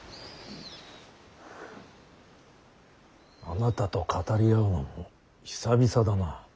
あなたと語り合うのも久々だな。